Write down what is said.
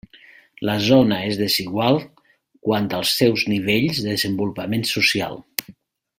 La zona és desigual quant als seus nivells de desenvolupament social.